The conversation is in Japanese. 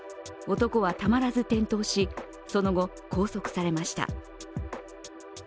男はたまらず転倒し、その後拘束されました。